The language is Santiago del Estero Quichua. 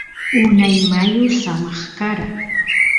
unay mayu samaq kara